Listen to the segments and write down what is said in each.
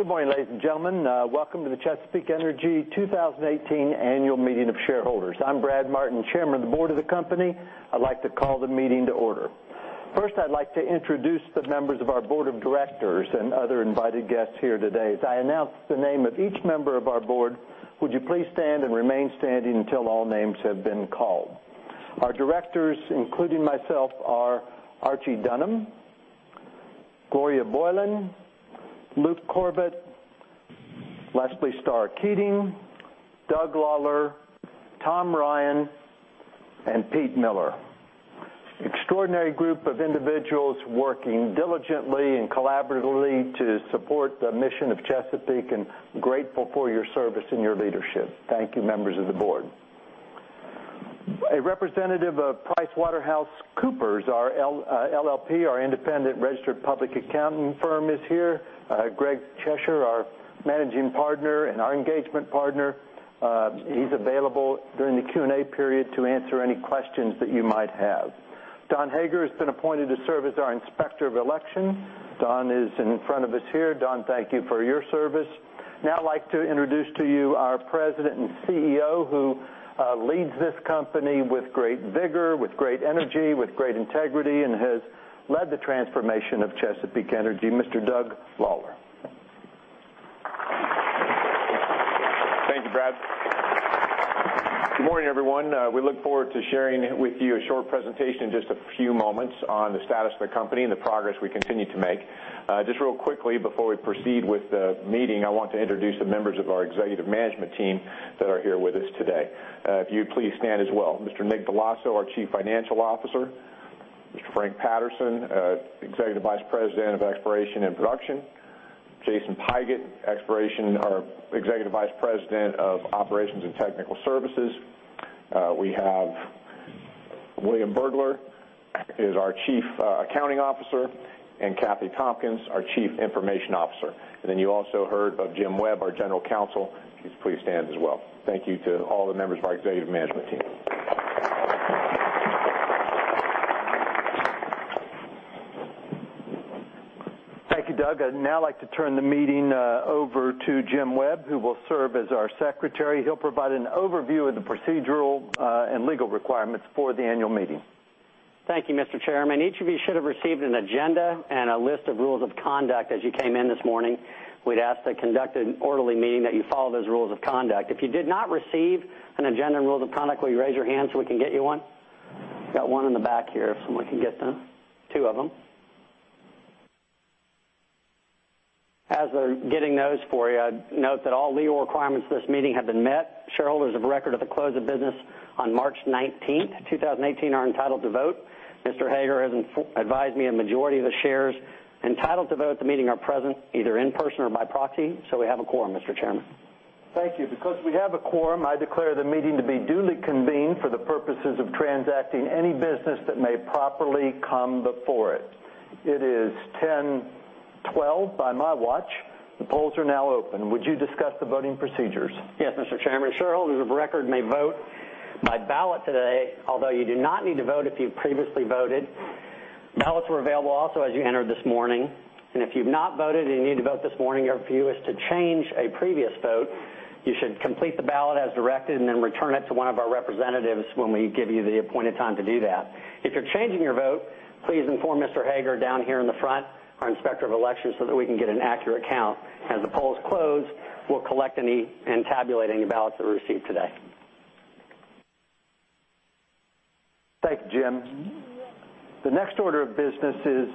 Good morning, ladies and gentlemen. Welcome to the Chesapeake Energy 2018 Annual Meeting of Shareholders. I'm Brad Martin, chairman of the board of the company. I'd like to call the meeting to order. First, I'd like to introduce the members of our board of directors and other invited guests here today. As I announce the name of each member of our board, would you please stand and remain standing until all names have been called? Our directors, including myself, are Archie Dunham, Gloria Boylan, Luke Corbett, Leslie Starr Keating, Doug Lawler, Tom Ryan, and Pete Miller. Extraordinary group of individuals working diligently and collaboratively to support the mission of Chesapeake, and grateful for your service and your leadership. Thank you, members of the board. A representative of PricewaterhouseCoopers, LLP, our independent registered public accounting firm, is here. Greg Cheshire, our managing partner and our engagement partner, he's available during the Q&A period to answer any questions that you might have. Don Hager has been appointed to serve as our Inspector of Election. Don is in front of us here. Don, thank you for your service. I'd like to introduce to you our President and CEO, who leads this company with great vigor, with great energy, with great integrity, and has led the transformation of Chesapeake Energy, Mr. Doug Lawler. Thank you, Brad. Good morning, everyone. We look forward to sharing with you a short presentation in just a few moments on the status of the company and the progress we continue to make. Just real quickly before we proceed with the meeting, I want to introduce the members of our Executive Management Team that are here with us today. If you'd please stand as well. Mr. Nick Dell'Osso, our Chief Financial Officer. Mr. Frank Patterson, Executive Vice President of Exploration and Production. Jason Pigott, our Executive Vice President of Operations and Technical Services. We have William Buergler, is our Chief Accounting Officer, and Cathy Tompkins, our Chief Information Officer. You also heard of Jim Webb, our General Counsel, if you'd please stand as well. Thank you to all the members of our Executive Management Team. Thank you, Doug. I'd now like to turn the meeting over to Jim Webb, who will serve as our secretary. He'll provide an overview of the procedural and legal requirements for the annual meeting. Thank you, Mr. Chairman. Each of you should have received an agenda and a list of rules of conduct as you came in this morning. We'd ask to conduct an orderly meeting, that you follow those rules of conduct. If you did not receive an agenda and rules of conduct, will you raise your hand so we can get you one? Got one in the back here, if someone can get them. Two of them. As they're getting those for you, I'd note that all legal requirements for this meeting have been met. Shareholders of record at the close of business on March 19th, 2018, are entitled to vote. Mr. Hager has advised me a majority of the shares entitled to vote at the meeting are present, either in person or by proxy, so we have a quorum, Mr. Chairman. Thank you. Because we have a quorum, I declare the meeting to be duly convened for the purposes of transacting any business that may properly come before it. It is 10:12 A.M. by my watch. The polls are now open. Would you discuss the voting procedures? Yes, Mr. Chairman. Shareholders of record may vote by ballot today, although you do not need to vote if you previously voted. Ballots were available also as you entered this morning. If you've not voted and you need to vote this morning, or if you wish to change a previous vote, you should complete the ballot as directed and then return it to one of our representatives when we give you the appointed time to do that. If you're changing your vote, please inform Mr. Hager down here in the front, our Inspector of Election, so that we can get an accurate count. As the polls close, we'll collect and tabulate any ballots that we receive today. Thank you, Jim. The next order of business is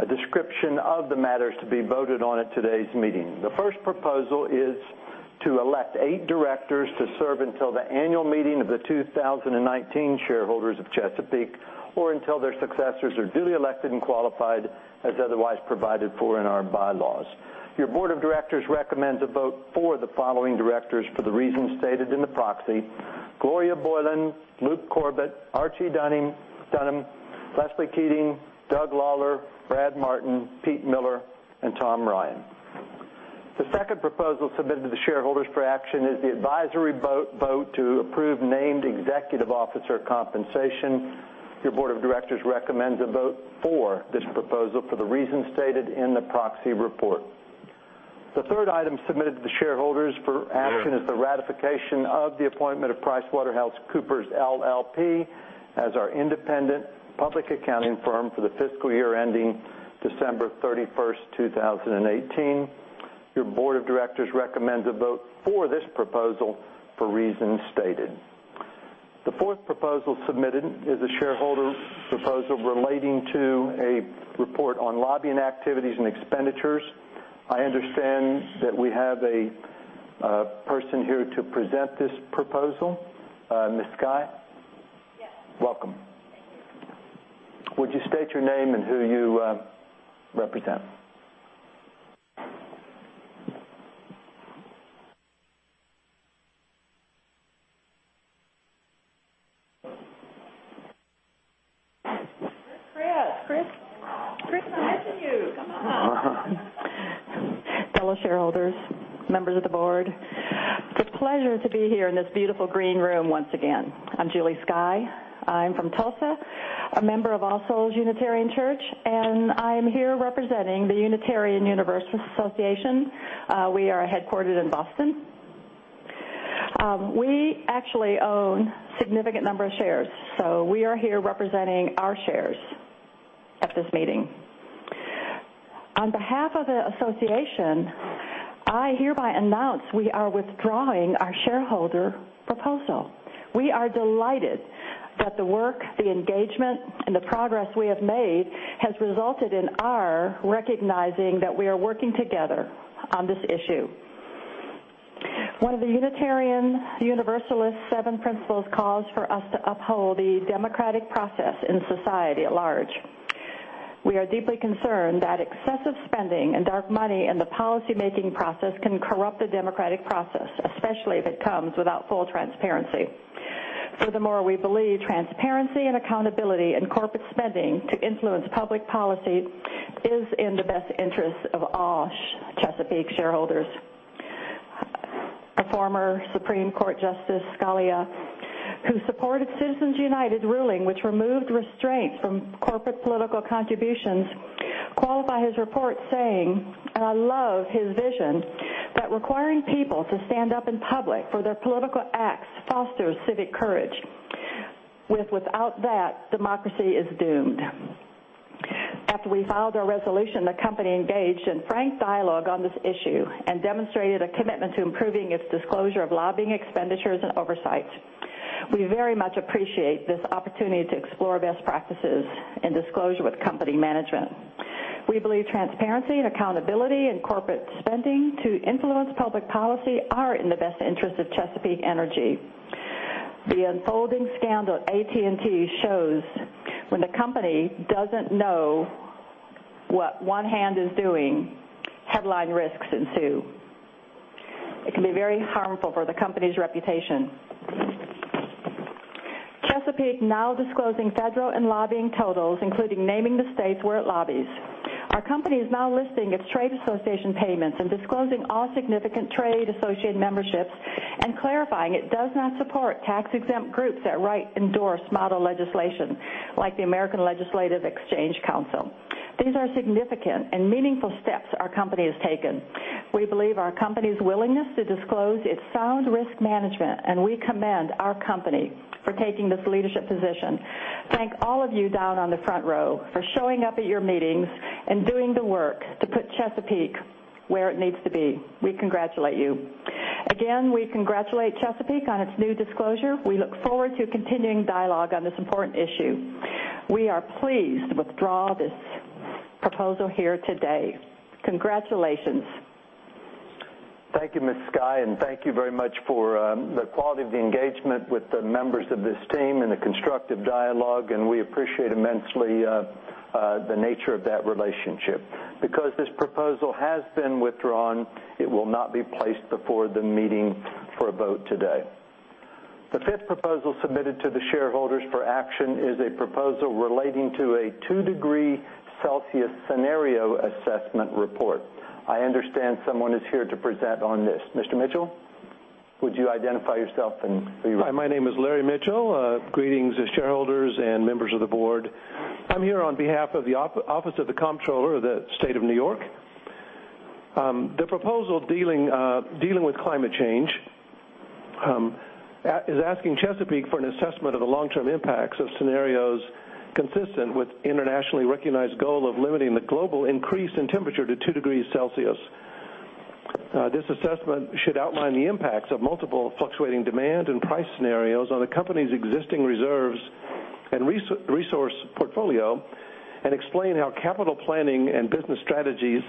a description of the matters to be voted on at today's meeting. The first proposal is to elect eight directors to serve until the annual meeting of the 2019 shareholders of Chesapeake, or until their successors are duly elected and qualified as otherwise provided for in our bylaws. Your board of directors recommends a vote for the following directors for the reasons stated in the proxy: Gloria Boylan, Luke Corbett, Archie Dunham, Leslie Keating, Doug Lawler, Brad Martin, Pete Miller, and Tom Ryan. The second proposal submitted to the shareholders for action is the advisory vote to approve named executive officer compensation. Your board of directors recommends a vote for this proposal for the reasons stated in the proxy report. The third item submitted to the shareholders for action is the ratification of the appointment of PricewaterhouseCoopers, LLP, as our independent public accounting firm for the fiscal year ending December 31st, 2018. Your board of directors recommends a vote for this proposal for reasons stated. The fourth proposal submitted is a shareholder proposal relating to a report on lobbying activities and expenditures. I understand that we have a person here to present this proposal. Ms. Skye? Yes. Welcome. Thank you. Would you state your name and who you represent? Chris. Chris. Chris, come on. Nice to meet you. Come on. Fellow shareholders, members of the board. It's a pleasure to be here in this beautiful green room once again. I'm Julie Skye. I'm from Tulsa, a member of All Souls Unitarian Church, and I'm here representing the Unitarian Universalist Association. We are headquartered in Boston. We actually own significant number of shares, so we are here representing our shares at this meeting. On behalf of the association, I hereby announce we are withdrawing our shareholder proposal. We are delighted that the work, the engagement, and the progress we have made has resulted in our recognizing that we are working together on this issue. One of the Unitarian Universalist seven principles calls for us to uphold the democratic process in society at large. We are deeply concerned that excessive spending and dark money in the policy-making process can corrupt the democratic process, especially if it comes without full transparency. Furthermore, we believe transparency and accountability in corporate spending to influence public policy is in the best interest of all Chesapeake shareholders. Former Supreme Court Justice Scalia, who supported Citizens United ruling, which removed restraints from corporate political contributions, qualified his report saying, and I love his vision, that requiring people to stand up in public for their political acts fosters civic courage. Without that, democracy is doomed. After we filed our resolution, the company engaged in frank dialogue on this issue and demonstrated a commitment to improving its disclosure of lobbying expenditures and oversight. We very much appreciate this opportunity to explore best practices and disclosure with company management. We believe transparency and accountability in corporate spending to influence public policy are in the best interest of Chesapeake Energy. The unfolding scandal at AT&T shows when the company doesn't know what one hand is doing, headline risks ensue. It can be very harmful for the company's reputation. Chesapeake now disclosing federal and lobbying totals, including naming the states where it lobbies. Our company is now listing its trade association payments and disclosing all significant trade associate memberships and clarifying it does not support tax-exempt groups that write endorse model legislation, like the American Legislative Exchange Council. These are significant and meaningful steps our company has taken. We believe our company's willingness to disclose its sound risk management, and we commend our company for taking this leadership position. Thank all of you down on the front row for showing up at your meetings and doing the work to put Chesapeake where it needs to be. We congratulate you. Again, we congratulate Chesapeake on its new disclosure. We look forward to continuing dialogue on this important issue. We are pleased to withdraw this proposal here today. Congratulations. Thank you, Ms. Skye, and thank you very much for the quality of the engagement with the members of this team and the constructive dialogue, and we appreciate immensely the nature of that relationship. Because this proposal has been withdrawn, it will not be placed before the meeting for a vote today. The fifth proposal submitted to the shareholders for action is a proposal relating to a two-degree Celsius scenario assessment report. I understand someone is here to present on this. Mr. Mitchell, would you identify yourself? Hi, my name is Larry Mitchell. Greetings as shareholders and members of the board. I'm here on behalf of the Office of the Comptroller of the State of New York. The proposal dealing with climate change is asking Chesapeake for an assessment of the long-term impacts of scenarios consistent with internationally recognized goal of limiting the global increase in temperature to 2 degrees Celsius. This assessment should outline the impacts of multiple fluctuating demand and price scenarios on the company's existing reserves and resource portfolio and explain how capital planning and business strategies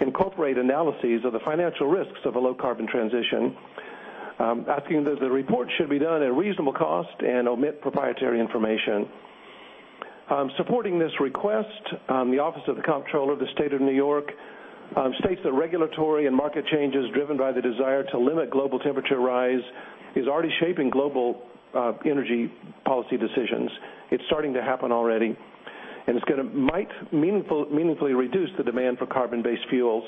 incorporate analyses of the financial risks of a low carbon transition. We are asking that the report should be done at reasonable cost and omit proprietary information. Supporting this request, the Office of the Comptroller of the State of New York states that regulatory and market changes driven by the desire to limit global temperature rise is already shaping global energy policy decisions. It's starting to happen already, and it might meaningfully reduce the demand for carbon-based fuels.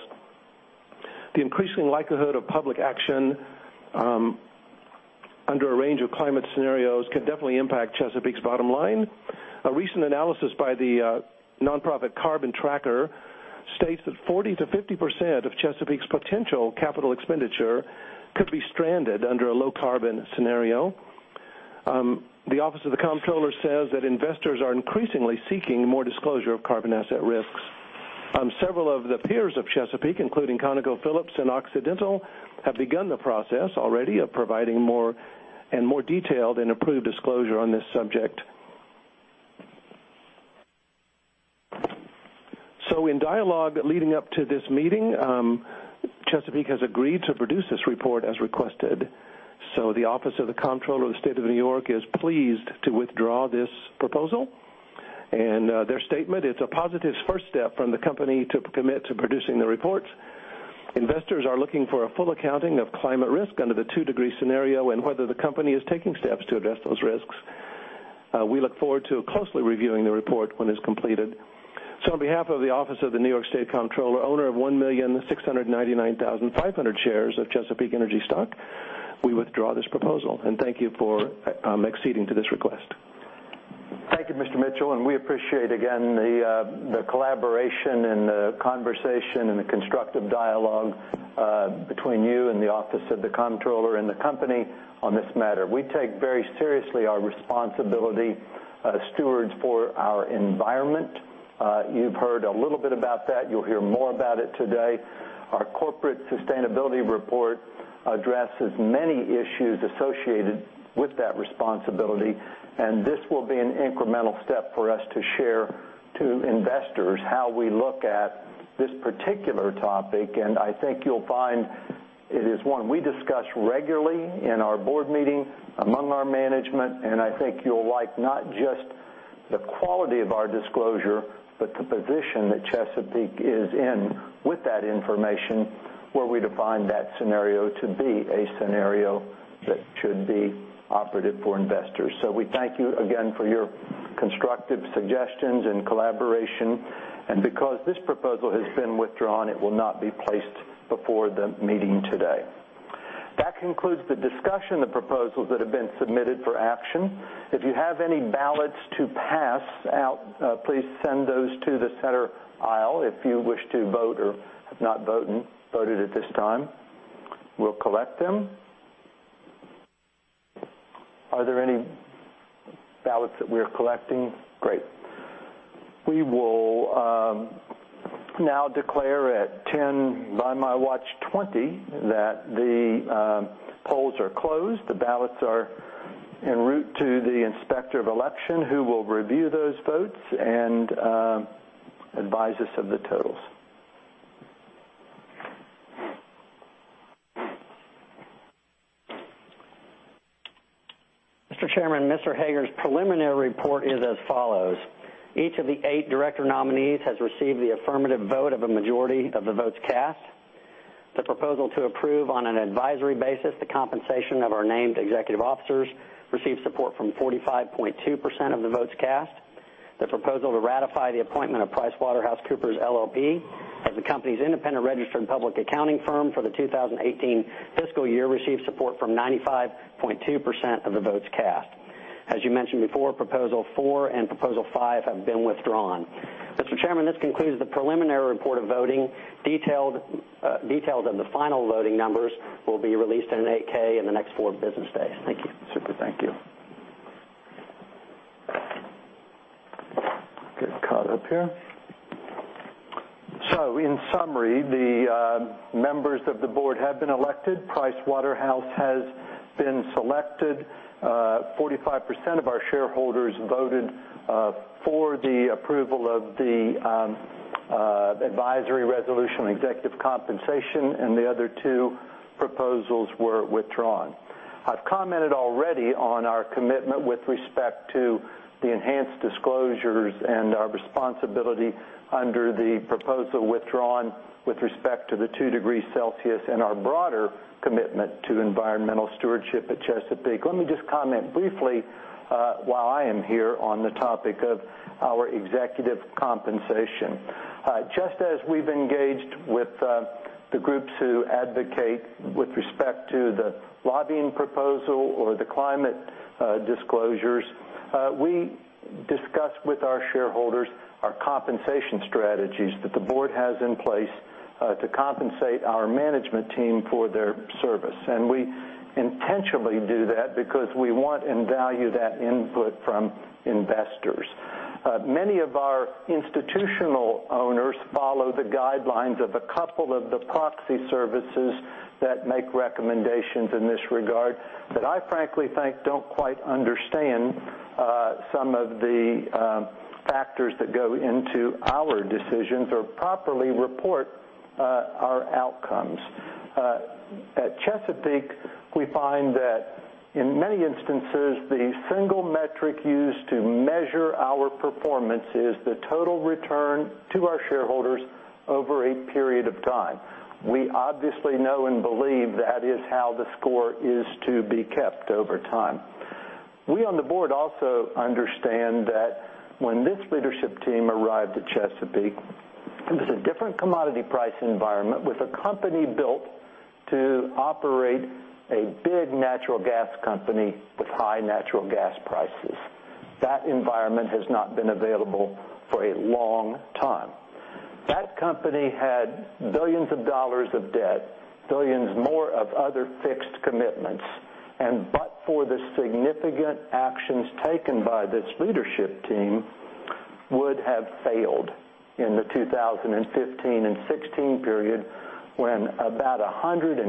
The increasing likelihood of public action under a range of climate scenarios could definitely impact Chesapeake's bottom line. A recent analysis by the nonprofit Carbon Tracker states that 40%-50% of Chesapeake's potential capital expenditure could be stranded under a low carbon scenario. The Office of the Comptroller says that investors are increasingly seeking more disclosure of carbon asset risks. Several of the peers of Chesapeake, including ConocoPhillips and Occidental, have begun the process already of providing more and more detailed and approved disclosure on this subject. In dialogue leading up to this meeting, Chesapeake has agreed to produce this report as requested. The Office of the Comptroller of the State of New York is pleased to withdraw this proposal, and their statement, it's a positive first step from the company to commit to producing the reports. Investors are looking for a full accounting of climate risk under the 2-degree scenario and whether the company is taking steps to address those risks. We look forward to closely reviewing the report when it's completed. On behalf of the Office of the New York State Comptroller, owner of 1,699,500 shares of Chesapeake Energy stock, we withdraw this proposal, and thank you for acceding to this request. Thank you, Mr. Mitchell. We appreciate, again, the collaboration and the conversation and the constructive dialogue between you and the Office of the Comptroller and the company on this matter. We take very seriously our responsibility as stewards for our environment. You've heard a little bit about that. You'll hear more about it today. Our corporate sustainability report addresses many issues associated with that responsibility, and this will be an incremental step for us to share to investors how we look at this particular topic. I think you'll find it is one we discuss regularly in our board meeting, among our management, and I think you'll like not just the quality of our disclosure, but the position that Chesapeake is in with that information, where we define that scenario to be a scenario that should be operative for investors. We thank you again for your constructive suggestions and collaboration. Because this proposal has been withdrawn, it will not be placed before the meeting today. That concludes the discussion of proposals that have been submitted for action. If you have any ballots to pass out, please send those to the center aisle if you wish to vote or have not voted at this time. We'll collect them. Are there any ballots that we're collecting? Great. We will now declare at 10:20 A.M., by my watch, that the polls are closed. The ballots are en route to the Inspector of Election who will review those votes and advise us of the totals. Mr. Chairman, Mr. Hager's preliminary report is as follows. Each of the eight director nominees has received the affirmative vote of a majority of the votes cast. The proposal to approve on an advisory basis the compensation of our named executive officers received support from 45.2% of the votes cast. The proposal to ratify the appointment of PricewaterhouseCoopers, LLP as the company's independent registered public accounting firm for the 2018 fiscal year received support from 95.2% of the votes cast. As you mentioned before, proposal four and proposal five have been withdrawn. Mr. Chairman, this concludes the preliminary report of voting. Details of the final voting numbers will be released in an 8-K in the next four business days. Thank you. Super. Thank you. Get caught up here. In summary, the members of the board have been elected. Pricewaterhouse has been selected. 45% of our shareholders voted for the approval of the advisory resolution on executive compensation, and the other two proposals were withdrawn. I've commented already on our commitment with respect to the enhanced disclosures and our responsibility under the proposal withdrawn with respect to the two degrees Celsius and our broader commitment to environmental stewardship at Chesapeake. Let me just comment briefly while I am here on the topic of our executive compensation. Just as we've engaged with the groups who advocate with respect to the lobbying proposal or the climate disclosures, we discuss with our shareholders our compensation strategies that the board has in place to compensate our management team for their service. We intentionally do that because we want and value that input from investors. Many of our institutional owners follow the guidelines of a couple of the proxy services that make recommendations in this regard that I frankly think don't quite understand some of the factors that go into our decisions or properly report our outcomes. At Chesapeake, we find that in many instances, the single metric used to measure our performance is the total return to our shareholders over a period of time. We obviously know and believe that is how the score is to be kept over time. We on the board also understand that when this leadership team arrived at Chesapeake, it was a different commodity price environment with a company built to operate a big natural gas company with high natural gas prices. That environment has not been available for a long time. That company had billions of dollars of debt, $ billions more of other fixed commitments, but for the significant actions taken by this leadership team, would have failed in the 2015 and 2016 period when about 150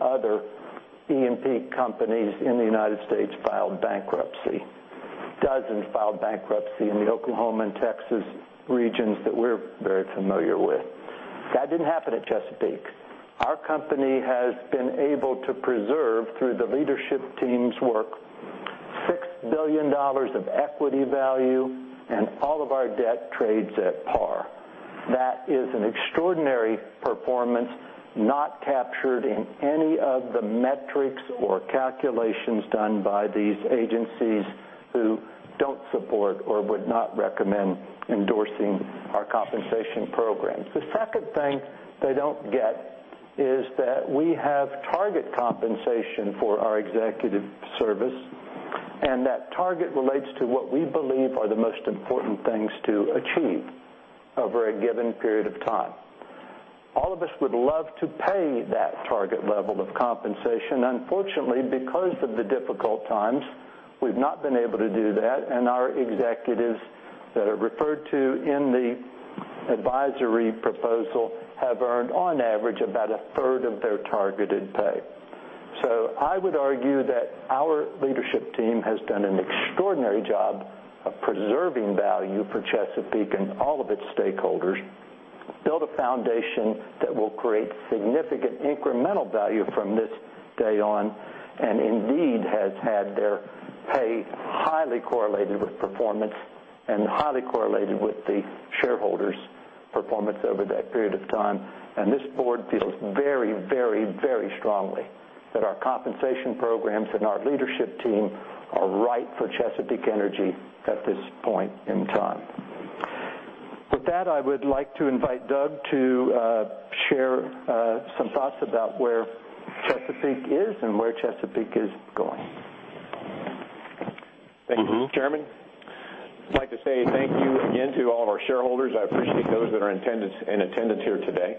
other E&P companies in the U.S. filed bankruptcy. Dozens filed bankruptcy in the Oklahoma and Texas regions that we're very familiar with. That didn't happen at Chesapeake. Our company has been able to preserve, through the leadership team's work, $6 billion of equity value and all of our debt trades at par. That is an extraordinary performance not captured in any of the metrics or calculations done by these agencies who don't support or would not recommend endorsing our compensation programs. The second thing they don't get is that we have target compensation for our executive service, that target relates to what we believe are the most important things to achieve over a given period of time. All of us would love to pay that target level of compensation. Unfortunately, because of the difficult times, we've not been able to do that, our executives that are referred to in the advisory proposal have earned, on average, about a third of their targeted pay. I would argue that our leadership team has done an extraordinary job of preserving value for Chesapeake and all of its stakeholders, build a foundation that will create significant incremental value from this day on, indeed has had their pay highly correlated with performance and highly correlated with the shareholders' performance over that period of time. This board feels very strongly that our compensation programs and our leadership team are right for Chesapeake Energy at this point in time. With that, I would like to invite Doug to share some thoughts about where Chesapeake is and where Chesapeake is going. Thank you, Chairman. I'd like to say thank you again to all of our shareholders. I appreciate those that are in attendance here today.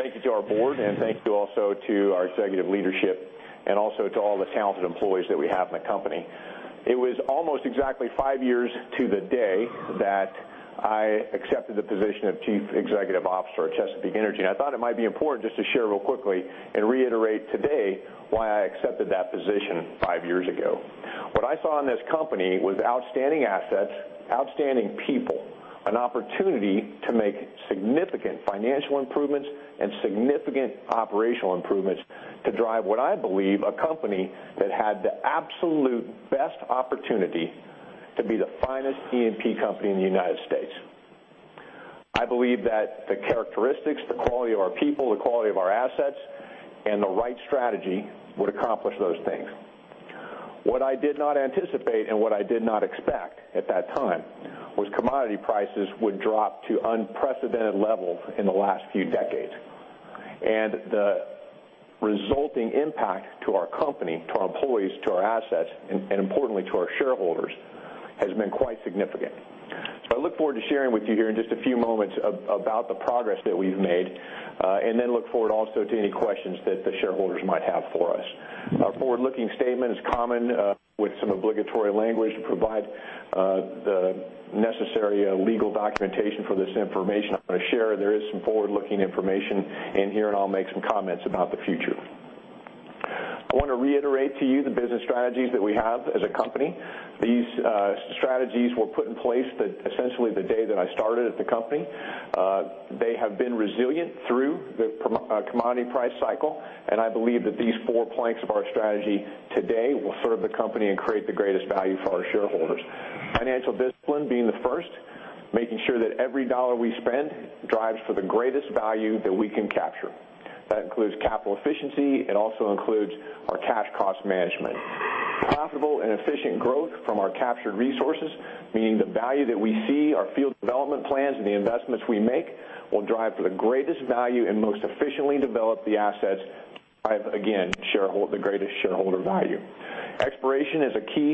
Thank you to our board, thank you also to our executive leadership, also to all the talented employees that we have in the company. It was almost exactly five years to the day that I accepted the position of Chief Executive Officer at Chesapeake Energy, I thought it might be important just to share real quickly and reiterate today why I accepted that position five years ago. What I saw in this company was outstanding assets, outstanding people, an opportunity to make significant financial improvements and significant operational improvements to drive what I believe a company that had the absolute best opportunity to be the finest E&P company in the U.S. I believe that the characteristics, the quality of our people, the quality of our assets, and the right strategy would accomplish those things. What I did not anticipate and what I did not expect at that time was commodity prices would drop to unprecedented levels in the last few decades. The resulting impact to our company, to our employees, to our assets, and importantly, to our shareholders, has been quite significant. I look forward to sharing with you here in just a few moments about the progress that we've made, look forward also to any questions that the shareholders might have for us. Our forward-looking statement is common with some obligatory language to provide the necessary legal documentation for this information I'm going to share. There is some forward-looking information in here, and I'll make some comments about the future. I want to reiterate to you the business strategies that we have as a company. These strategies were put in place essentially the day that I started at the company. They have been resilient through the commodity price cycle, and I believe that these four planks of our strategy today will serve the company and create the greatest value for our shareholders. Financial discipline being the first, making sure that every dollar we spend drives for the greatest value that we can capture. That includes capital efficiency. It also includes our cash cost management. Profitable and efficient growth from our captured resources, meaning the value that we see, our field development plans, and the investments we make will drive for the greatest value and most efficiently develop the assets to drive, again, the greatest shareholder value. Exploration is a key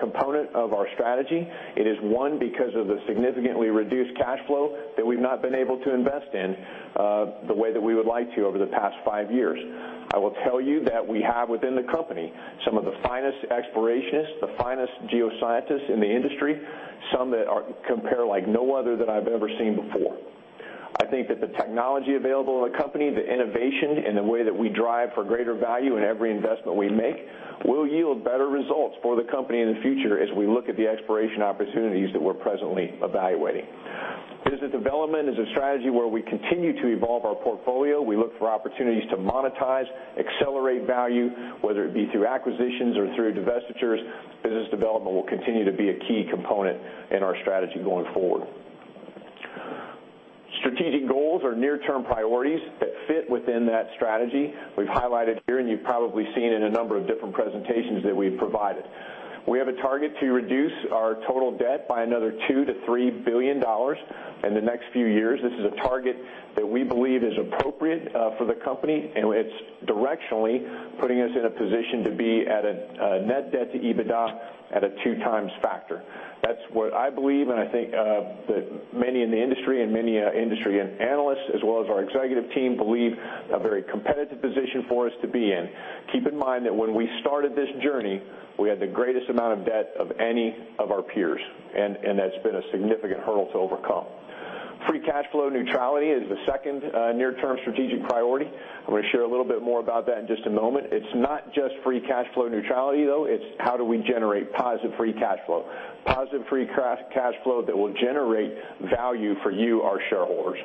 component of our strategy. It is one because of the significantly reduced cash flow that we've not been able to invest in the way that we would like to over the past five years. I will tell you that we have within the company some of the finest explorationists, the finest geoscientists in the industry, some that compare like no other that I've ever seen before. I think that the technology available in the company, the innovation in the way that we drive for greater value in every investment we make, will yield better results for the company in the future as we look at the exploration opportunities that we're presently evaluating. Business development is a strategy where we continue to evolve our portfolio. We look for opportunities to monetize, accelerate value, whether it be through acquisitions or through divestitures. Business development will continue to be a key component in our strategy going forward. Strategic goals or near-term priorities that fit within that strategy, we've highlighted here, and you've probably seen in a number of different presentations that we've provided. We have a target to reduce our total debt by another $2 billion-$3 billion in the next few years. This is a target that we believe is appropriate for the company, it's directionally putting us in a position to be at a net debt to EBITDA at a two times factor. That's what I believe, I think that many in the industry and many industry analysts, as well as our executive team, believe a very competitive position for us to be in. Keep in mind that when we started this journey, we had the greatest amount of debt of any of our peers, that's been a significant hurdle to overcome. Free cash flow neutrality is the second near-term strategic priority. I'm going to share a little bit more about that in just a moment. It's not just free cash flow neutrality, though. It's how do we generate positive free cash flow. Positive free cash flow that will generate value for you, our shareholders.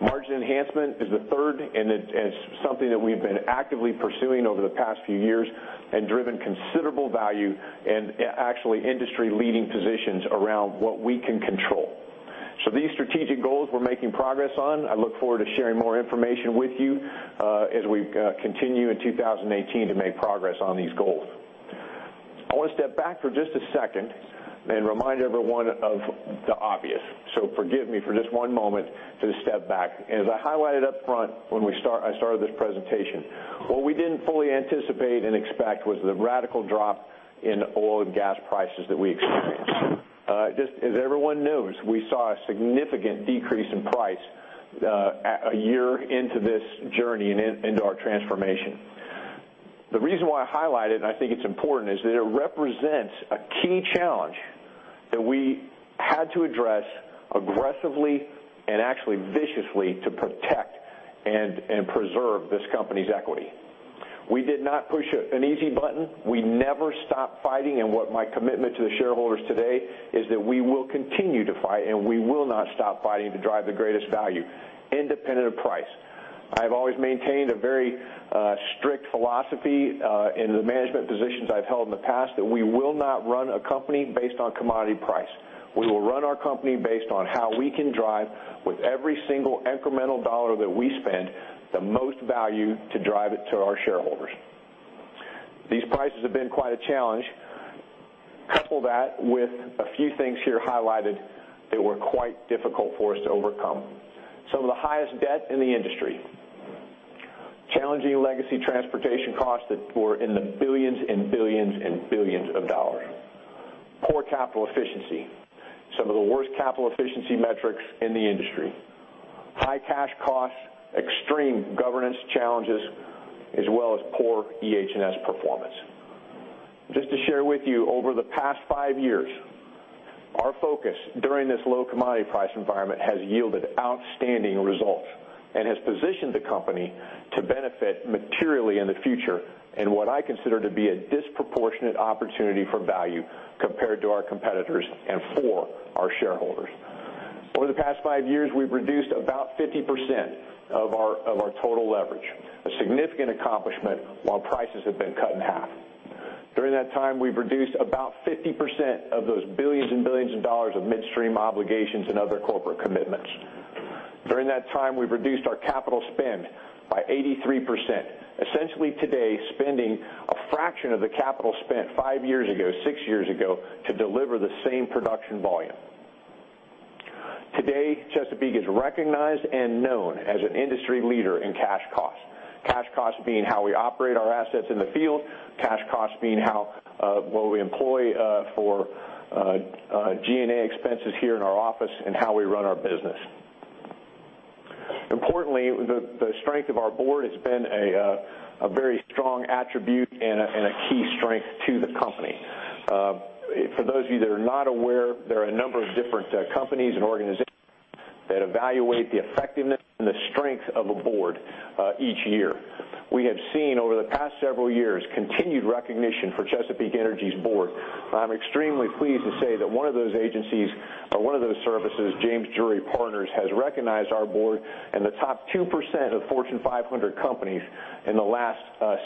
Margin enhancement is the third, and it's something that we've been actively pursuing over the past few years and driven considerable value and actually industry-leading positions around what we can control. These strategic goals we're making progress on. I look forward to sharing more information with you as we continue in 2018 to make progress on these goals. I want to step back for just a second and remind everyone of the obvious. Forgive me for just one moment to step back. As I highlighted up front when I started this presentation, what we didn't fully anticipate and expect was the radical drop in oil and gas prices that we experienced. Just as everyone knows, we saw a significant decrease in price a year into this journey and into our transformation. The reason why I highlight it, and I think it's important, is that it represents a key challenge that we had to address aggressively and actually viciously to protect and preserve this company's equity. We did not push an easy button. We never stopped fighting. What my commitment to the shareholders today is that we will continue to fight and we will not stop fighting to drive the greatest value independent of price. I've always maintained a very strict philosophy in the management positions I've held in the past that we will not run a company based on commodity price. We will run our company based on how we can drive, with every single incremental dollar that we spend, the most value to drive it to our shareholders. These prices have been quite a challenge. Couple that with a few things here highlighted that were quite difficult for us to overcome. Some of the highest debt in the industry. Challenging legacy transportation costs that were in the $billions and $billions and $billions. Poor capital efficiency. Some of the worst capital efficiency metrics in the industry. High cash costs, extreme governance challenges, as well as poor EH&S performance. Just to share with you, over the past five years, our focus during this low commodity price environment has yielded outstanding results and has positioned the company to benefit materially in the future in what I consider to be a disproportionate opportunity for value compared to our competitors and for our shareholders. Over the past five years, we've reduced about 50% of our total leverage, a significant accomplishment while prices have been cut in half. During that time, we've reduced about 50% of those $billions and $billions of midstream obligations and other corporate commitments. During that time, we've reduced our capital spend by 83%, essentially today spending a fraction of the capital spent five years ago, six years ago, to deliver the same production volume. Today, Chesapeake is recognized and known as an industry leader in cash costs. Cash costs being how we operate our assets in the field, cash costs being what we employ for G&A expenses here in our office, and how we run our business. The strength of our board has been a very strong attribute and a key strength to the company. For those of you that are not aware, there are a number of different companies and organizations that evaluate the effectiveness and the strength of a board each year. We have seen over the past several years continued recognition for Chesapeake Energy's board. I'm extremely pleased to say that one of those agencies, or one of those services, James Drury Partners, has recognized our board in the top 2% of Fortune 500 companies in the last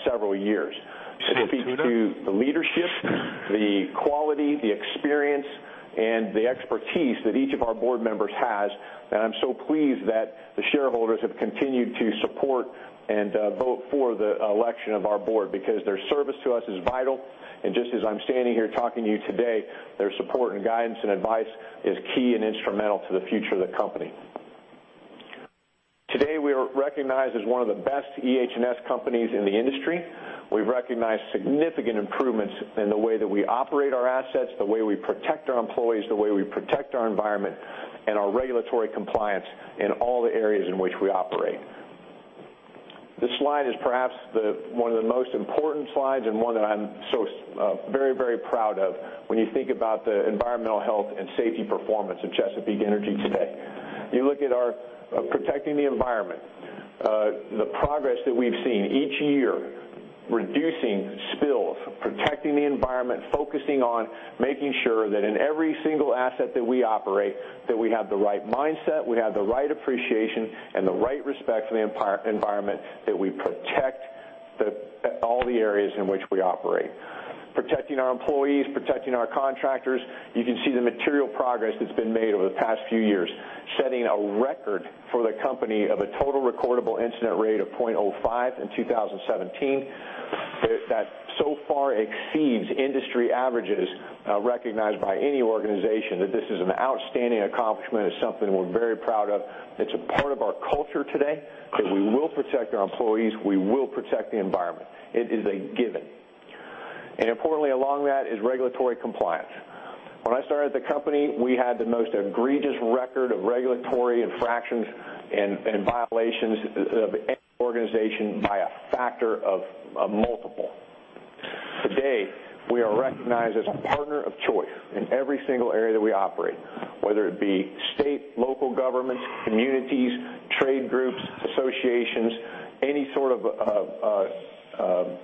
several years. This speaks to the leadership, the quality, the experience, and the expertise that each of our board members has, I'm so pleased that the shareholders have continued to support and vote for the election of our board because their service to us is vital. Just as I'm standing here talking to you today, their support and guidance and advice is key and instrumental to the future of the company. Today, we are recognized as one of the best EH&S companies in the industry. We've recognized significant improvements in the way that we operate our assets, the way we protect our employees, the way we protect our environment, and our regulatory compliance in all the areas in which we operate. This slide is perhaps one of the most important slides and one that I'm so very, very proud of when you think about the environmental health and safety performance of Chesapeake Energy today. You look at our protecting the environment. The progress that we've seen each year, reducing spills, protecting the environment, focusing on making sure that in every single asset that we operate, that we have the right mindset, we have the right appreciation, and the right respect for the environment, that we protect all the areas in which we operate. Protecting our employees, protecting our contractors. You can see the material progress that's been made over the past few years, setting a record for the company of a total recordable incident rate of 0.05 in 2017. This so far exceeds industry averages recognized by any organization. This is an outstanding accomplishment. It's something we're very proud of. It's a part of our culture today, that we will protect our employees, we will protect the environment. It is a given. Along that is regulatory compliance. When I started at the company, we had the most egregious record of regulatory infractions and violations of any organization by a factor of multiple. Today, we are recognized as a partner of choice in every single area that we operate, whether it be state, local governments, communities, trade groups negotiations, any sort of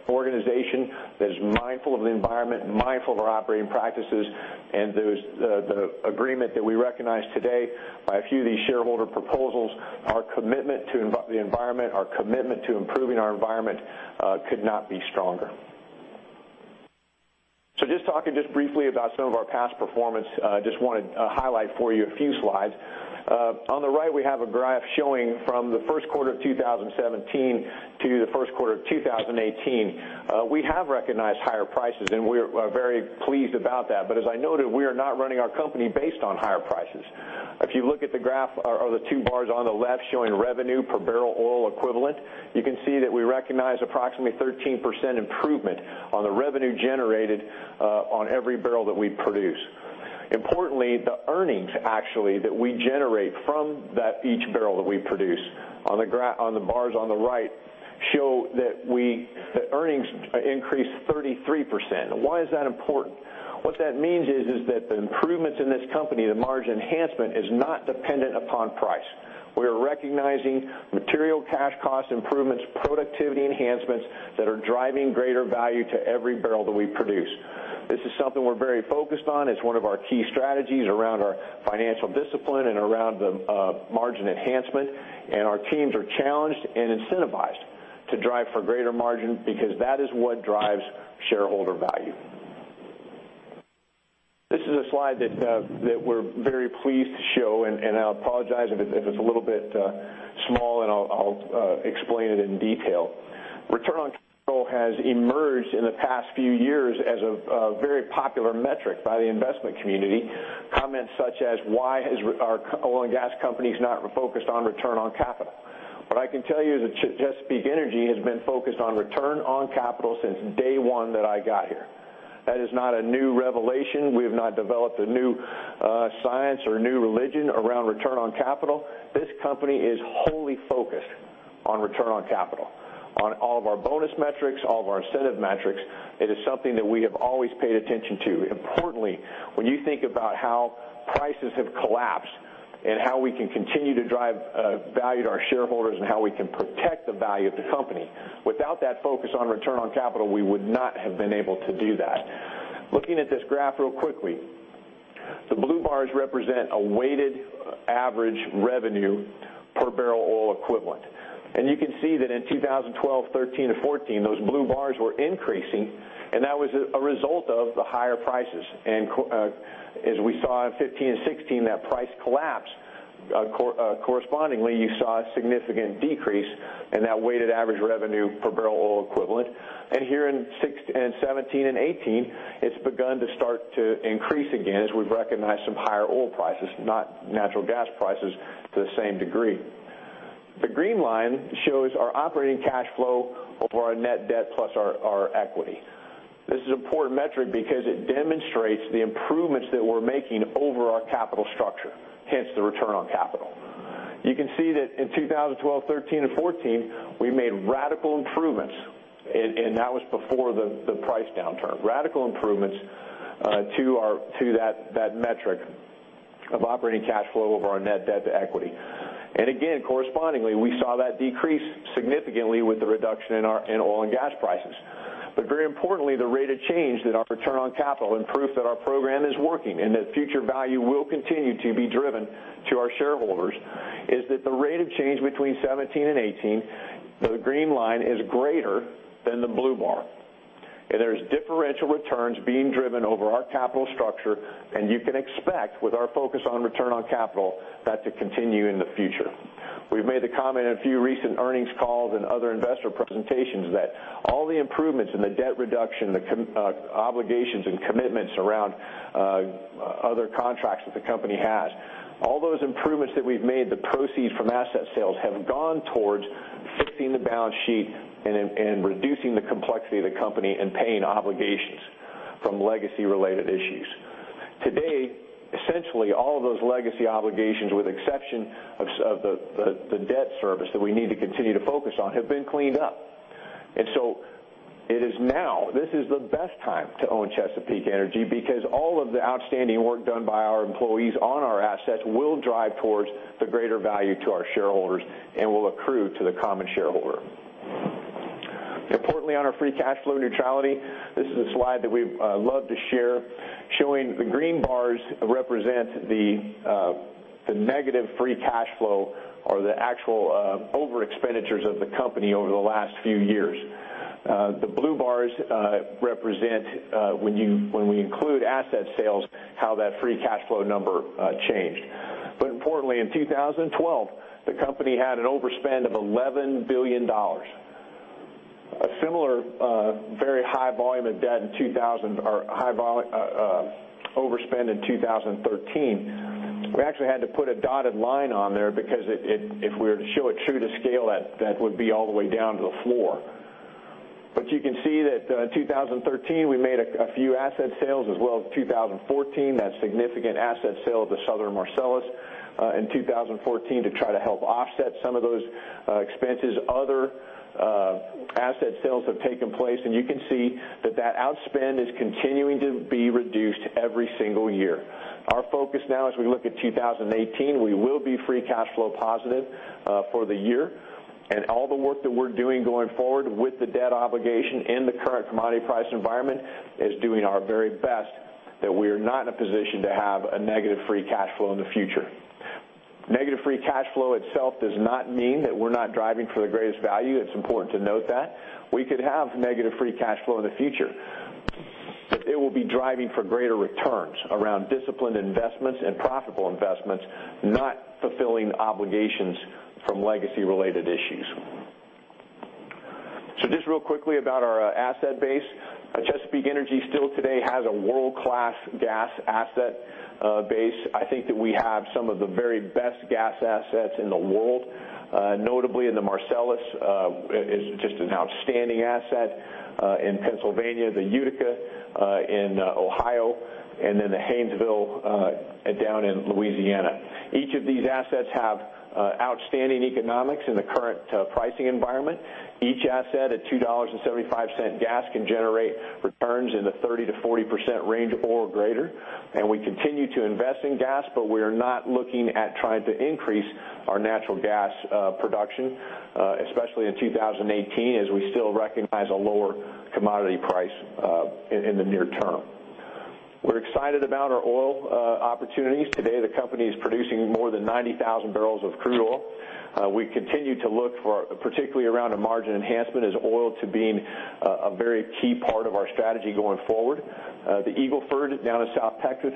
organization that is mindful of the environment and mindful of our operating practices, the agreement that we recognize today by a few of these shareholder proposals, our commitment to the environment, our commitment to improving our environment could not be stronger. Just talking just briefly about some of our past performance, just want to highlight for you a few slides. On the right, we have a graph showing from the first quarter of 2017 to the first quarter of 2018. We're very pleased about that. As I noted, we are not running our company based on higher prices. If you look at the graph or the two bars on the left showing revenue per barrel oil equivalent, you can see that we recognize approximately 13% improvement on the revenue generated on every barrel that we produce. Importantly, the earnings actually that we generate from that each barrel that we produce on the bars on the right show that earnings increased 33%. Why is that important? What that means is that the improvements in this company, the margin enhancement, is not dependent upon price. We are recognizing material cash cost improvements, productivity enhancements that are driving greater value to every barrel that we produce. This is something we're very focused on. It's one of our key strategies around our financial discipline and around the margin enhancement. Our teams are challenged and incentivized to drive for greater margin because that is what drives shareholder value. This is a slide that we're very pleased to show. I apologize if it's a little bit small. I'll explain it in detail. Return on capital has emerged in the past few years as a very popular metric by the investment community. Comments such as, why are oil and gas companies not focused on return on capital? What I can tell you is that Chesapeake Energy has been focused on return on capital since day one that I got here. That is not a new revelation. We have not developed a new science or new religion around return on capital. This company is wholly focused on return on capital, on all of our bonus metrics, all of our incentive metrics. It is something that we have always paid attention to. Importantly, when you think about how prices have collapsed and how we can continue to drive value to our shareholders and how we can protect the value of the company, without that focus on return on capital, we would not have been able to do that. Looking at this graph real quickly, the blue bars represent a weighted average revenue per barrel oil equivalent. You can see that in 2012, 2013 and 2014, those blue bars were increasing. That was a result of the higher prices. As we saw in 2015 and 2016, that price collapse, correspondingly, you saw a significant decrease in that weighted average revenue per barrel oil equivalent. Here in 2017 and 2018, it's begun to start to increase again as we've recognized some higher oil prices, not natural gas prices to the same degree. The green line shows our operating cash flow over our net debt plus our equity. This is an important metric because it demonstrates the improvements that we're making over our capital structure, hence the return on capital. You can see that in 2012, 2013 and 2014, we made radical improvements. That was before the price downturn. Radical improvements to that metric of operating cash flow over our net debt to equity. Again, correspondingly, we saw that decrease significantly with the reduction in oil and gas prices. Very importantly, the rate of change in our return on capital and proof that our program is working and that future value will continue to be driven to our shareholders is that the rate of change between 2017 and 2018, the green line, is greater than the blue bar. There's differential returns being driven over our capital structure, and you can expect, with our focus on return on capital, that to continue in the future. We've made the comment in a few recent earnings calls and other investor presentations that all the improvements in the debt reduction, the obligations and commitments around other contracts that the company has, all those improvements that we've made, the proceeds from asset sales, have gone towards fixing the balance sheet and reducing the complexity of the company and paying obligations from legacy related issues. Today, essentially, all of those legacy obligations, with exception of the debt service that we need to continue to focus on, have been cleaned up. It is now, this is the best time to own Chesapeake Energy because all of the outstanding work done by our employees on our assets will drive towards the greater value to our shareholders and will accrue to the common shareholder. Importantly, on our free cash flow neutrality, this is a slide that we love to share, showing the green bars represent the negative free cash flow or the actual over expenditures of the company over the last few years. The blue bars represent when we include asset sales, how that free cash flow number changed. Importantly, in 2012, the company had an overspend of $11 billion. A similar very high overspend in 2013. We actually had to put a dotted line on there because if we were to show it true to scale, that would be all the way down to the floor. You can see that 2013, we made a few asset sales, as well as 2014. That significant asset sale to Southern Marcellus in 2014 to try to help offset some of those expenses. Other asset sales have taken place, and you can see that outspend is continuing to be reduced every single year. Our focus now as we look at 2018, we will be free cash flow positive for the year. All the work that we're doing going forward with the debt obligation in the current commodity price environment, is doing our very best that we are not in a position to have a negative free cash flow in the future. Negative free cash flow itself does not mean that we're not driving for the greatest value. It's important to note that. We could have negative free cash flow in the future, but it will be driving for greater returns around disciplined investments and profitable investments, not fulfilling obligations from legacy related issues. Just real quickly about our asset base. Chesapeake Energy still today has a world-class gas asset base. I think that we have some of the very best gas assets in the world. Notably in the Marcellus, is just an outstanding asset. In Pennsylvania, the Utica, in Ohio, and then the Haynesville down in Louisiana. Each of these assets have outstanding economics in the current pricing environment. Each asset at $2.75 gas can generate returns in the 30%-40% range or greater. We continue to invest in gas, but we are not looking at trying to increase our natural gas production, especially in 2018, as we still recognize a lower commodity price in the near term. We're excited about our oil opportunities. Today the company is producing more than 90,000 barrels of crude oil. We continue to look for, particularly around a margin enhancement, is oil to being a very key part of our strategy going forward. The Eagle Ford down in South Texas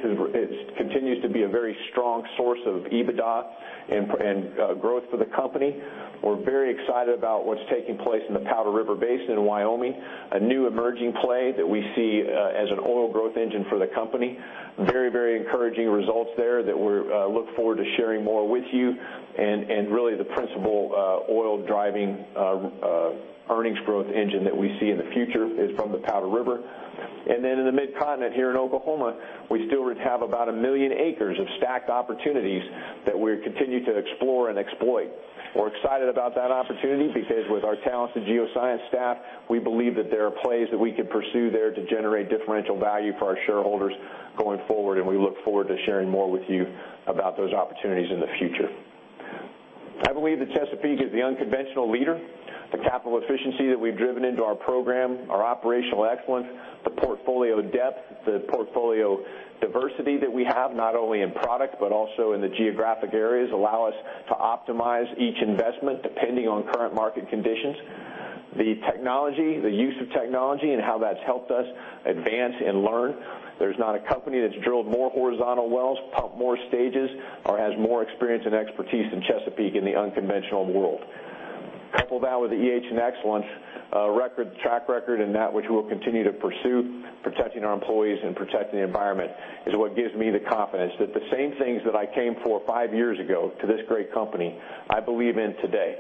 continues to be a very strong source of EBITDA and growth for the company. We're very excited about what's taking place in the Powder River Basin in Wyoming. A new emerging play that we see as an oil growth engine for the company. Very encouraging results there that we look forward to sharing more with you. Really the principal oil driving earnings growth engine that we see in the future is from the Powder River. Then in the Mid-Continent here in Oklahoma, we still have about a million acres of stacked opportunities that we continue to explore and exploit. We're excited about that opportunity because with our talented geoscience staff, we believe that there are plays that we could pursue there to generate differential value for our shareholders going forward, and we look forward to sharing more with you about those opportunities in the future. I believe that Chesapeake is the unconventional leader. The capital efficiency that we've driven into our program, our operational excellence, the portfolio depth, the portfolio diversity that we have, not only in product but also in the geographic areas, allow us to optimize each investment depending on current market conditions. The technology, the use of technology, and how that's helped us advance and learn. There's not a company that's drilled more horizontal wells, pumped more stages, or has more experience and expertise than Chesapeake in the unconventional world. Couple that with the EH&S excellence track record, and that which we'll continue to pursue, protecting our employees and protecting the environment, is what gives me the confidence that the same things that I came for five years ago to this great company, I believe in today.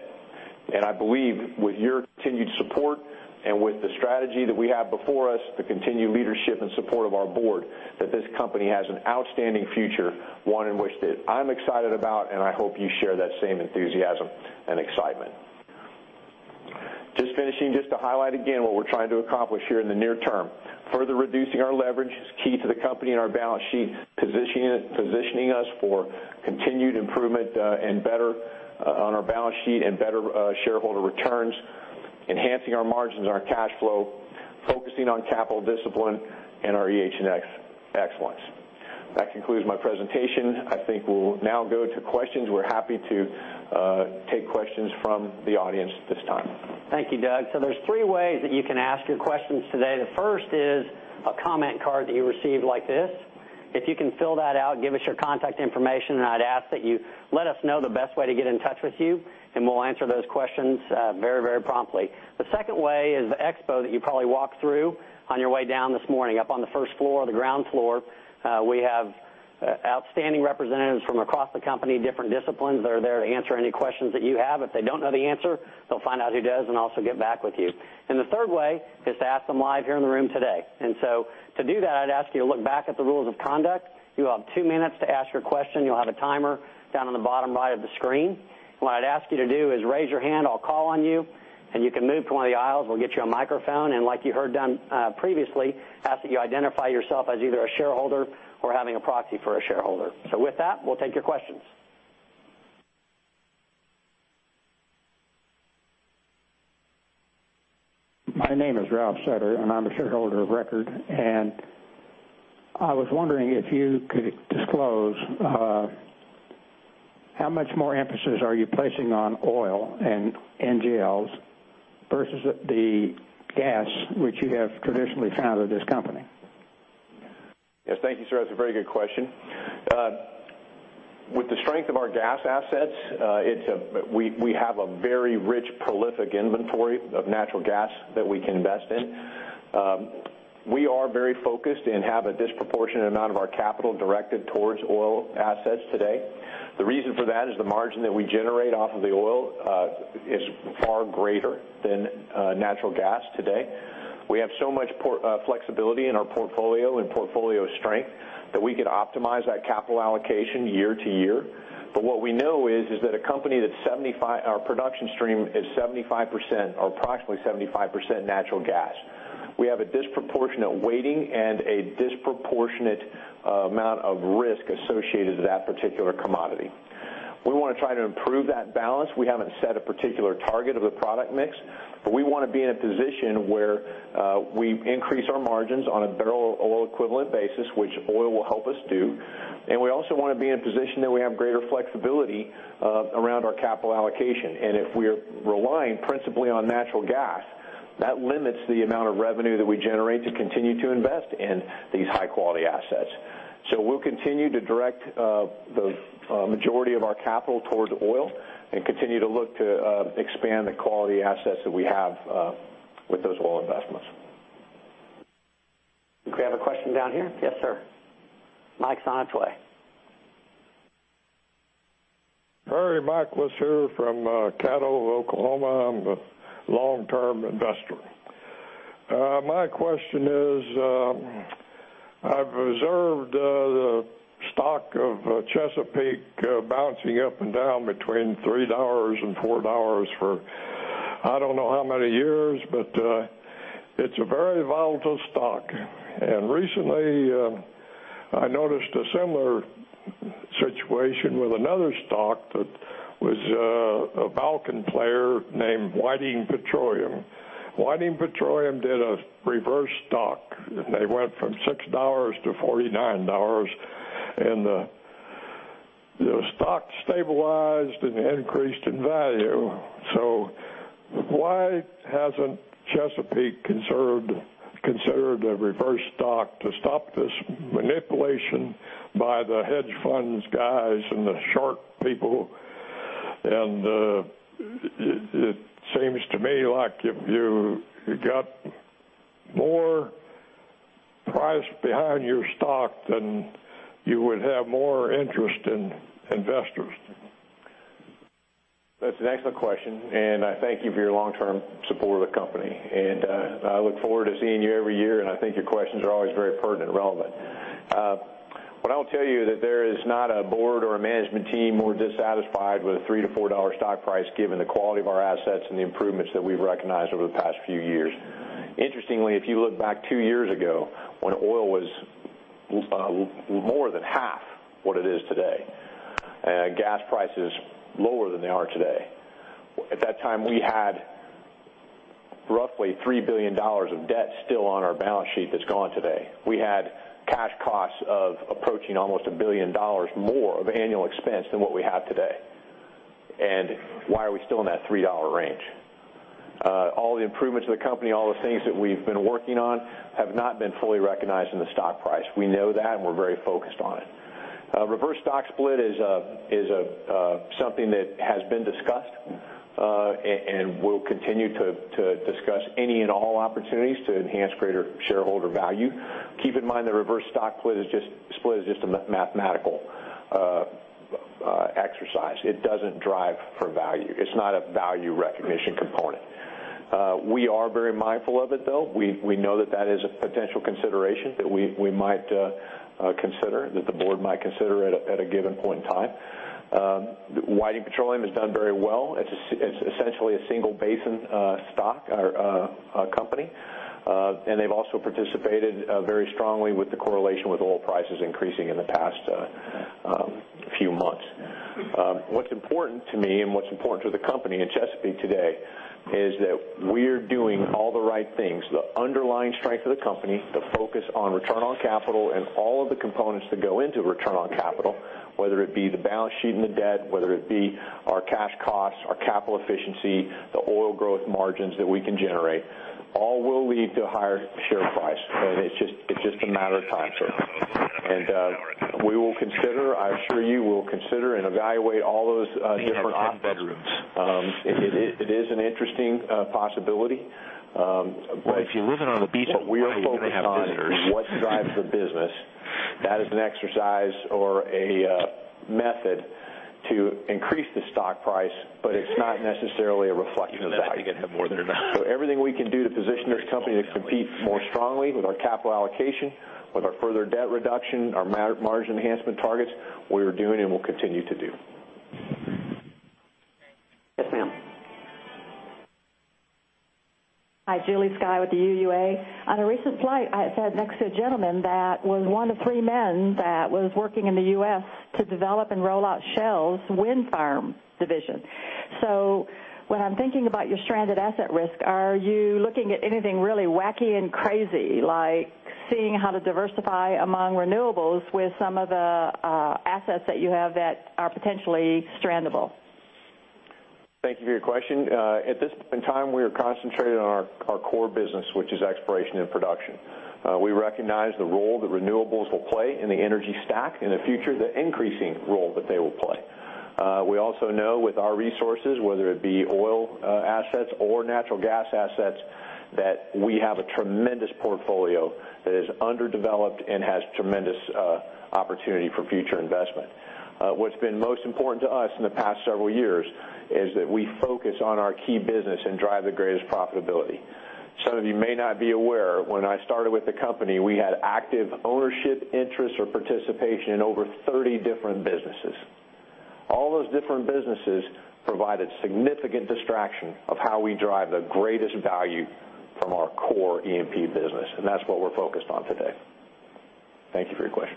I believe with your continued support and with the strategy that we have before us, the continued leadership and support of our board, that this company has an outstanding future, one in which that I'm excited about. I hope you share that same enthusiasm and excitement. Just finishing, just to highlight again what we're trying to accomplish here in the near term. Further reducing our leverage is key to the company and our balance sheet, positioning us for continued improvement on our balance sheet and better shareholder returns, enhancing our margins and our cash flow, focusing on capital discipline and our EH&S excellence. That concludes my presentation. I think we'll now go to questions. We're happy to take questions from the audience at this time. Thank you, Doug. There's three ways that you can ask your questions today. The first is a comment card that you received like this. If you can fill that out, give us your contact information, and I'd ask that you let us know the best way to get in touch with you, and we'll answer those questions very promptly. The second way is the expo that you probably walked through on your way down this morning. Up on the first floor, the ground floor, we have outstanding representatives from across the company, different disciplines that are there to answer any questions that you have. If they don't know the answer, they'll find out who does and also get back with you. The third way is to ask them live here in the room today. To do that, I'd ask you to look back at the rules of conduct. You will have two minutes to ask your question. You'll have a timer down on the bottom right of the screen. What I'd ask you to do is raise your hand. I'll call on you, and you can move to one of the aisles. We'll get you a microphone, and like you heard done previously, ask that you identify yourself as either a shareholder or having a proxy for a shareholder. With that, we'll take your questions. My name is Ralph Seitzer, and I'm a shareholder of record. I was wondering if you could disclose how much more emphasis are you placing on oil and NGLs versus the gas, which you have traditionally found at this company? Yes. Thank you, sir. That's a very good question. With the strength of our gas assets, we have a very rich, prolific inventory of natural gas that we can invest in. We are very focused and have a disproportionate amount of our capital directed towards oil assets today. The reason for that is the margin that we generate off of the oil is far greater than natural gas today. We have so much flexibility in our portfolio and portfolio strength that we could optimize that capital allocation year to year. What we know is that our production stream is 75%, or approximately 75%, natural gas. We have a disproportionate weighting and a disproportionate amount of risk associated with that particular commodity. We want to try to improve that balance. We haven't set a particular target of the product mix, but we want to be in a position where we increase our margins on a barrel oil equivalent basis, which oil will help us do. We also want to be in a position that we have greater flexibility around our capital allocation. If we're relying principally on natural gas, that limits the amount of revenue that we generate to continue to invest in these high-quality assets. We'll continue to direct the majority of our capital towards oil and continue to look to expand the quality assets that we have with those oil investments. Do we have a question down here? Yes, sir. Mike Sonsoy. Hey, Mike Sonsoy here from Catoosa, Oklahoma. I'm a long-term investor. My question is, I've observed the stock of Chesapeake bouncing up and down between $3 and $4 for I don't know how many years, but it's a very volatile stock. Recently, I noticed a similar situation with another stock that was a Bakken player named Whiting Petroleum. Whiting Petroleum did a reverse stock, and they went from $6 to $49, and the stock stabilized and increased in value. Why hasn't Chesapeake considered a reverse stock to stop this manipulation by the hedge funds guys and the short people? It seems to me like if you got more price behind your stock, then you would have more interest in investors. That's an excellent question, and I thank you for your long-term support of the company. I look forward to seeing you every year, and I think your questions are always very pertinent and relevant. What I'll tell you that there is not a board or a management team more dissatisfied with a $3 to $4 stock price, given the quality of our assets and the improvements that we've recognized over the past few years. Interestingly, if you look back two years ago when oil was more than half what it is today, and gas prices lower than they are today. At that time, we had roughly $3 billion of debt still on our balance sheet that's gone today. We had cash costs of approaching almost $1 billion more of annual expense than what we have today. Why are we still in that $3 range? All the improvements to the company, all the things that we've been working on have not been fully recognized in the stock price. We know that. We're very focused on it. A reverse stock split is something that has been discussed. We'll continue to discuss any and all opportunities to enhance greater shareholder value. Keep in mind, the reverse stock split is just a mathematical exercise. It doesn't drive for value. It's not a value recognition component. We are very mindful of it, though. We know that that is a potential consideration that we might consider, that the board might consider at a given point in time. Whiting Petroleum has done very well. It's essentially a single-basin stock or company. They've also participated very strongly with the correlation with oil prices increasing in the past few months. What's important to me and what's important to the company and Chesapeake today is that we're doing all the right things. The underlying strength of the company, the focus on return on capital, and all of the components that go into return on capital, whether it be the balance sheet and the debt, whether it be our cash costs, our capital efficiency, the oil growth margins that we can generate, all will lead to a higher share price. It's just a matter of time, sir. We will consider, I assure you, we will consider and evaluate all those different options. He had 10 bedrooms. It is an interesting possibility. if you're living on the beach in Hawaii, you're going to have visitors. What we are focused on is what drives the business. That is an exercise or a method to increase the stock price, but it's not necessarily a reflection of value. Even then, I think I'd have more than enough. Everything we can do to position this company to compete more strongly with our capital allocation, with our further debt reduction, our margin enhancement targets, we are doing and will continue to do. Yes, ma'am. Hi, Julie Skye with the UUA. On a recent flight, I sat next to a gentleman that was one of three men that was working in the U.S. to develop and roll out Shell's wind farm division. When I'm thinking about your stranded asset risk, are you looking at anything really wacky and crazy, like seeing how to diversify among renewables with some of the assets that you have that are potentially strandable? Thank you for your question. At this point in time, we are concentrated on our core business, which is exploration and production. We recognize the role that renewables will play in the energy stack in the future, the increasing role that they will play. We also know with our resources, whether it be oil assets or natural gas assets, that we have a tremendous portfolio that is underdeveloped and has tremendous opportunity for future investment. What's been most important to us in the past several years is that we focus on our key business and drive the greatest profitability. Some of you may not be aware, when I started with the company, we had active ownership interest or participation in over 30 different businesses. All those different businesses provided significant distraction of how we drive the greatest value from our core E&P business, and that's what we're focused on today. Thank you for your question.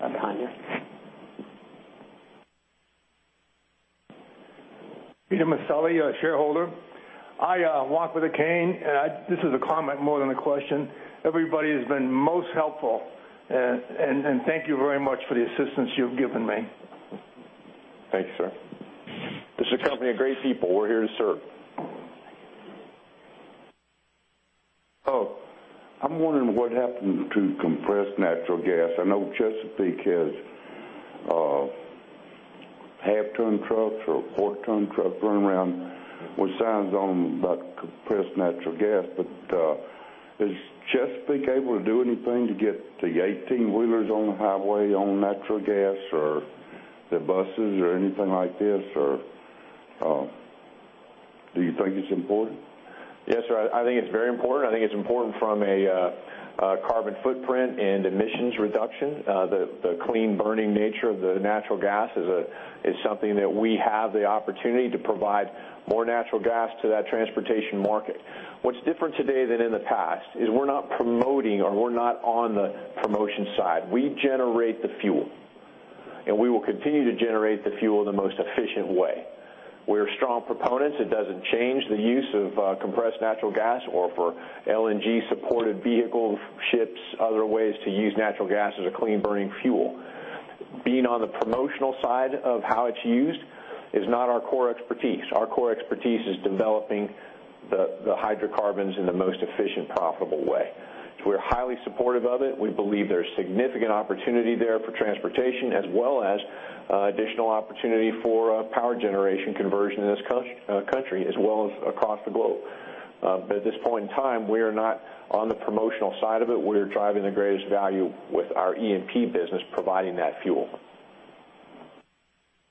Behind you. Peter Miceli, a shareholder. I walk with a cane, and this is a comment more than a question. Everybody has been most helpful, and thank you very much for the assistance you've given me. Thanks, sir. This is a company of great people. We're here to serve. I'm wondering what happened to compressed natural gas. I know Chesapeake Energy has half ton trucks or quarter ton trucks running around with signs on them about compressed natural gas. Is Chesapeake Energy able to do anything to get the 18 wheelers on the highway on natural gas, or the buses or anything like this? Do you think it's important? Yes, sir. I think it's very important. I think it's important from a carbon footprint and emissions reduction. The clean burning nature of the natural gas is something that we have the opportunity to provide more natural gas to that transportation market. What's different today than in the past is we're not promoting or we're not on the promotion side. We generate the fuel, and we will continue to generate the fuel the most efficient way. We're strong proponents. It doesn't change the use of compressed natural gas or for LNG supported vehicles, ships, other ways to use natural gas as a clean burning fuel. Being on the promotional side of how it's used is not our core expertise. Our core expertise is developing the hydrocarbons in the most efficient, profitable way. We're highly supportive of it. We believe there's significant opportunity there for transportation, as well as additional opportunity for power generation conversion in this country, as well as across the globe. At this point in time, we are not on the promotional side of it. We're driving the greatest value with our E&P business providing that fuel.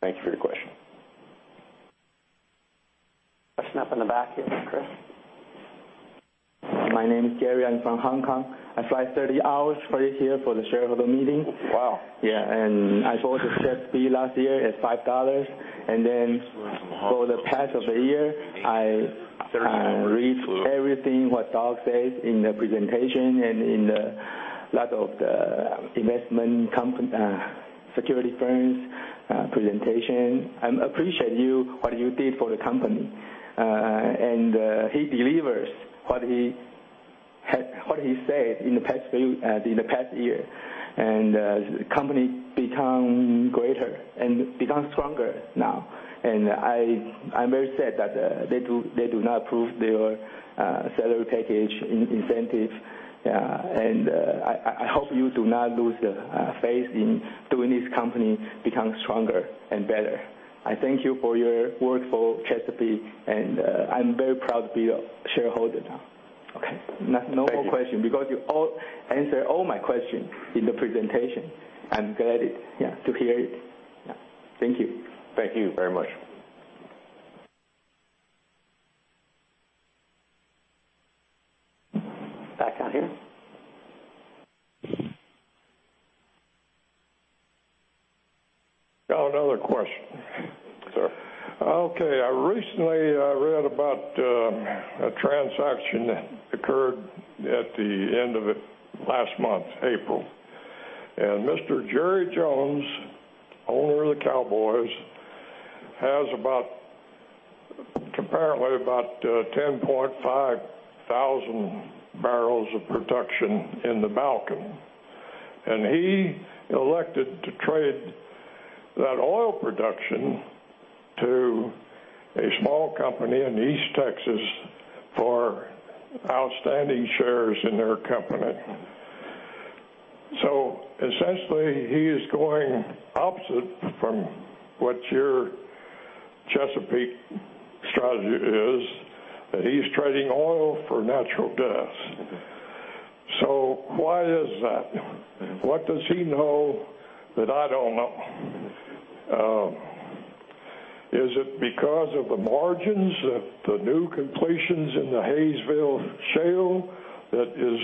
Thank you for your question. Question up in the back here, Chris. My name is Gary. I'm from Hong Kong. I fly 30 hours for here for the shareholder meeting. Wow. Yeah. I bought the Chesapeake last year at $5. For the past of the year, I read everything what Doug says in the presentation and in the lot of the investment security firms presentation. I appreciate you, what you did for the company. He delivers what he said in the past year. Company become greater and become stronger now. I'm very sad that they do not approve their salary package incentive. I hope you do not lose faith in doing this company become stronger and better. I thank you for your work for Chesapeake, and I'm very proud to be a shareholder now. Okay. Thank you. No more question because you answer all my question in the presentation. I'm glad to hear it. Yeah. Thank you. Thank you very much. Back down here. Got another question. Sure. Okay. I recently read about a transaction that occurred at the end of last month, April. Mr. Jerry Jones, owner of the Dallas Cowboys, has apparently about 10,500 barrels of production in the Bakken. He elected to trade that oil production to a small company in East Texas for outstanding shares in their company. Essentially, he is going opposite from what your Chesapeake Energy strategy is. He's trading oil for natural gas. Why is that? What does he know that I don't know? Is it because of the margins of the new completions in the Haynesville Shale that is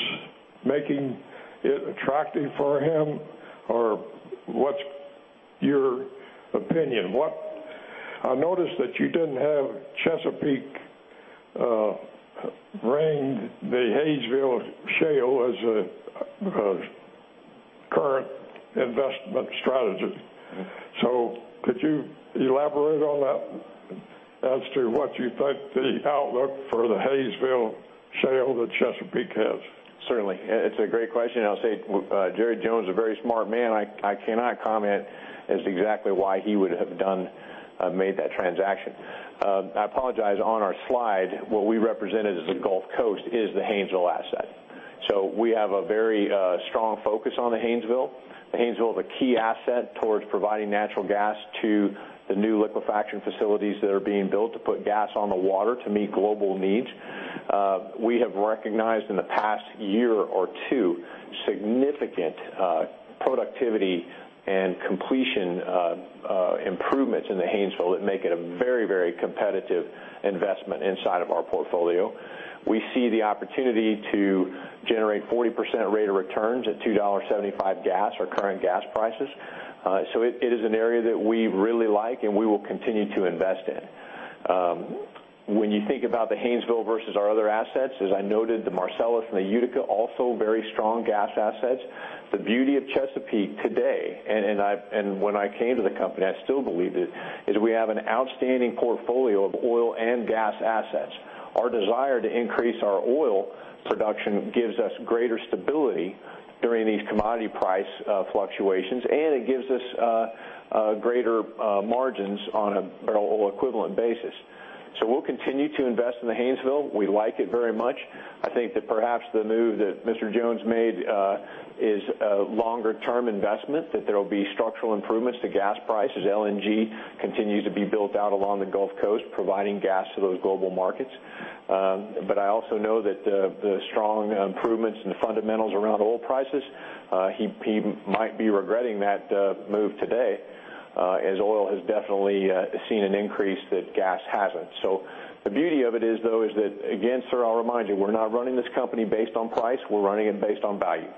making it attractive for him? Or what's your opinion? I noticed that you didn't have Chesapeake Energy ranked the Haynesville Shale as a current investment strategy. Could you elaborate on that as to what you think the outlook for the Haynesville Shale that Chesapeake Energy has? Certainly. It's a great question. I'll say Jerry Jones is a very smart man. I cannot comment as exactly why he would have made that transaction. I apologize. On our slide, what we represented as the Gulf Coast is the Haynesville asset. We have a very strong focus on the Haynesville. The Haynesville is a key asset towards providing natural gas to the new liquefaction facilities that are being built to put gas on the water to meet global needs. We have recognized in the past year or two significant productivity and completion improvements in the Haynesville that make it a very competitive investment inside of our portfolio. We see the opportunity to generate 40% rate of returns at $2.75 gas, our current gas prices. It is an area that we really like and we will continue to invest in. When you think about the Haynesville versus our other assets, as I noted, the Marcellus and the Utica, also very strong gas assets. The beauty of Chesapeake today, and when I came to the company, I still believe it, is we have an outstanding portfolio of oil and gas assets. Our desire to increase our oil production gives us greater stability during these commodity price fluctuations. It gives us greater margins on a barrel equivalent basis. We'll continue to invest in the Haynesville. We like it very much. I think that perhaps the move that Mr. Jones made is a longer-term investment, that there'll be structural improvements to gas prices. LNG continues to be built out along the Gulf Coast, providing gas to those global markets. I also know that the strong improvements in the fundamentals around oil prices, he might be regretting that move today, as oil has definitely seen an increase that gas hasn't. The beauty of it is, though, is that, again, sir, I'll remind you, we're not running this company based on price. We're running it based on value.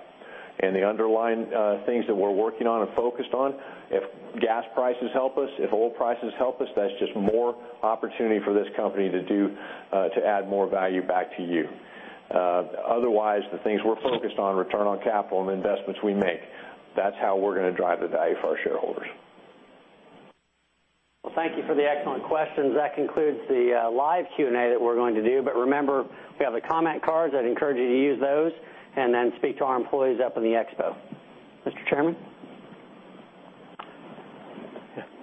The underlying things that we're working on and focused on, if gas prices help us, if oil prices help us, that's just more opportunity for this company to add more value back to you. Otherwise, the things we're focused on, return on capital and the investments we make, that's how we're going to drive the value for our shareholders. Well, thank you for the excellent questions. That concludes the live Q&A that we're going to do. Remember, we have the comment cards. I'd encourage you to use those and then speak to our employees up in the expo. Mr. Chairman?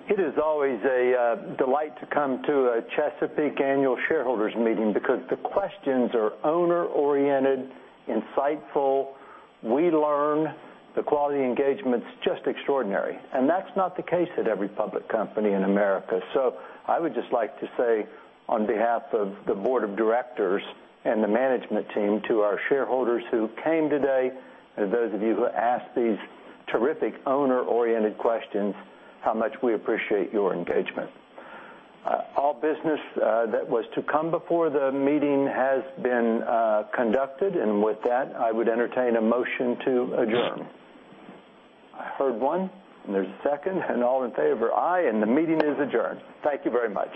It is always a delight to come to a Chesapeake annual shareholders meeting because the questions are owner-oriented, insightful. We learn. The quality engagement's just extraordinary. That's not the case at every public company in America. I would just like to say, on behalf of the board of directors and the management team, to our shareholders who came today, and those of you who asked these terrific owner-oriented questions, how much we appreciate your engagement. All business that was to come before the meeting has been conducted. With that, I would entertain a motion to adjourn. I heard one, and there's a second, and all in favor, aye. The meeting is adjourned. Thank you very much.